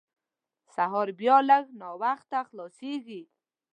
سهار بیا لږ ناوخته خلاصېږي.